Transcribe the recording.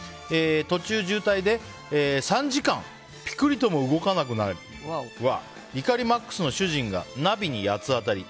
途中、渋滞で３時間ピクリとも動かなくなり怒りマックスの主人がナビに八つ当たり。